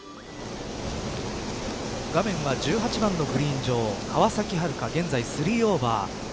画面は１８番のグリーン上川崎春花、現在３オーバー。